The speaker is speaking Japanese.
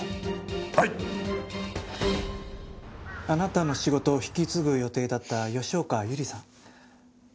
あなたの仕事を引き継ぐ予定だった吉岡百合さん。